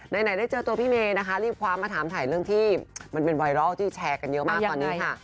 ไหนได้เจอตัวพี่เมย์นะคะรีบคว้ามาถามถ่ายเรื่องที่มันเป็นไวรัลที่แชร์กันเยอะมากตอนนี้ค่ะ